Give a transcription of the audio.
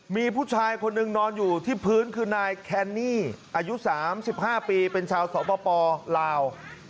มีผู้ชายคนหนึ่งนอนอยู่ที่พื้นคือนายแคนนี่อายุ๓๕ปีเป็นชาวสปลาว